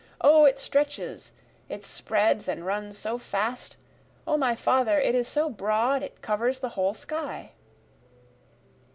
O it stretches it spreads and runs so fast O my father, It is so broad it covers the whole sky.